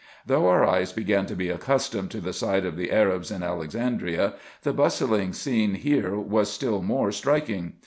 Though our eyes began to be accustomed to the sight of the Arabs in Alexandria, the bustling scene here was still more striking.